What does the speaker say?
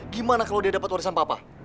gimana kalau dia dapat warisan papa